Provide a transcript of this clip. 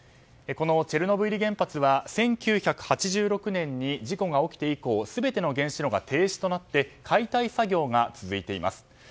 このチェルノブイリ原発は１９８６年に事故が起きて以降全ての原子炉が停止となって解体作業が続いています。